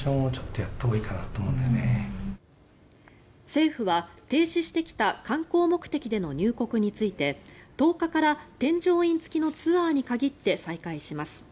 政府は、停止してきた観光目的での入国について１０日から添乗員付きのツアーに限って再開します。